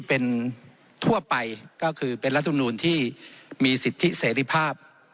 เป็นทั่วไปก็คือเป็นรัฐมนูลที่มีสิทธิเสรีภาพ